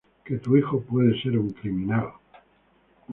que tu hijo puede ser un criminal